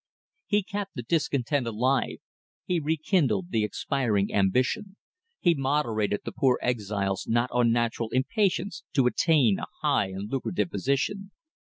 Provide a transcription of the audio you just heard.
He kept the discontent alive, he rekindled the expiring ambition, he moderated the poor exile's not unnatural impatience to attain a high and lucrative position.